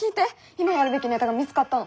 今やるべきネタが見つかったの。